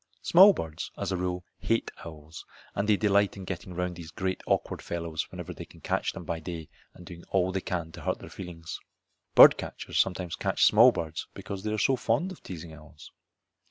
Small birds, as a rule, hate owls, and they delight in getting round these great awkward fellows whenever they can catch them by day and doing all they can to hurt their feelings. Bird catchers sometimes catch small birds because they are so fond of teasing owls.